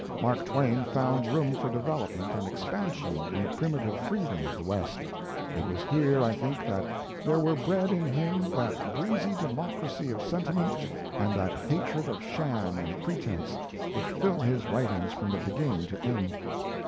Mark Twain found room for development and expansion in the primitive freedom of the West. It was here, I think, that there were bred in him that breezy democracy of sentiment and that hatred of sham and pretence which fill his writings from beginning to end.